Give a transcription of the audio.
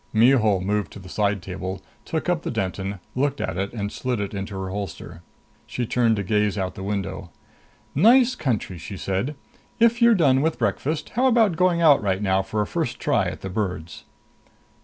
Mihul moved to the side table, took up the Denton, looked at it, and slid it into her holster. She turned to gaze out the window. "Nice country!" she said. "If you're done with breakfast, how about going out right now for a first try at the birds?"